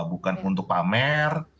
bukan untuk pamer